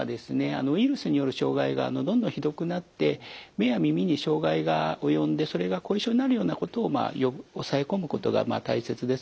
あのウイルスによる障害がどんどんひどくなって目や耳に障害が及んでそれが後遺症になるようなことを抑え込むことが大切ですので